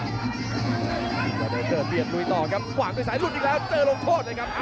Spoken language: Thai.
ยอดเดชน์เปลี่ยนรุ่นต่อครับวางด้วยสายรุ่นอีกแล้วเจอลงโทษเลยครับ